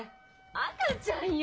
赤ちゃんよ！